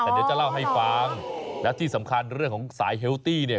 แต่เดี๋ยวจะเล่าให้ฟังและที่สำคัญเรื่องของสายเฮลตี้เนี่ย